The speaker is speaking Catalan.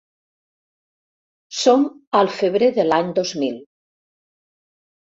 Som al febrer de l'any dos mil.